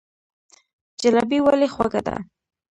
جلبي ولې خوږه ده؟